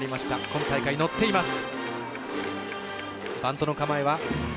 今大会、乗っています。